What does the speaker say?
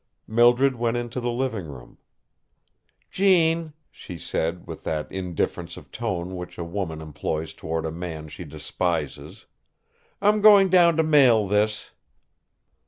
Mildred went into the living room. "Gene," she said, with that indifference of tone which a woman employs toward a man she despises, "I'm going down to mail this."